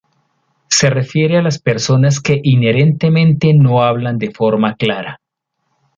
Se refiere a las personas que inherentemente no hablan de forma clara.